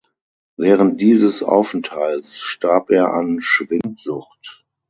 Während dieses Aufenthalts starb er an Schwindsucht.